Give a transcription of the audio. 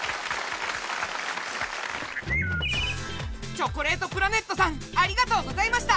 チョコレートプラネットさんありがとうございました！